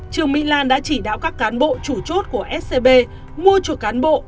trương mỹ lan đã chỉ đạo các cán bộ chủ chốt của scb mua chủ cán bộ